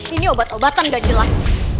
ini obat obatan nggak jelas